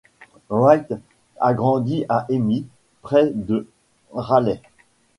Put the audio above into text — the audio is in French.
Wright a grandi à Emit, près de Raleigh.